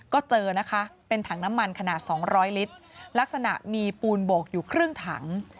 ก็เจอนะคะเป็นถังน้ำมันขนาด๒๐๐ลิตรลักษณะมีปูนโบกอยู่ครึ่งถัง